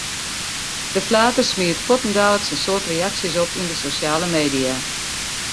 De flater smiet fuortendaliks in soad reaksjes op yn de sosjale media.